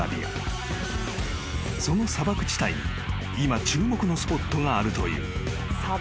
［その砂漠地帯に今注目のスポットがあるという］